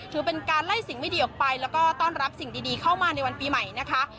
ถือเป็นการไล่สิ่งไม่ดีออกไปแล้วก็ต้อนรับสิ่งดีเข้ามาในวันปีใหม่นะคะ